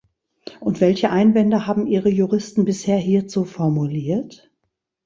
Und welche Einwände haben Ihre Juristen bisher hierzu formuliert?